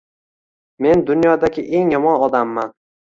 Men dunyodagi eng yomon odamman